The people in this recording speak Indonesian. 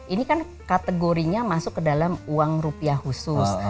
ini kan kategorinya masuk ke dalam uang rupiah khusus